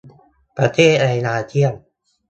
ประเทศในอาเซียน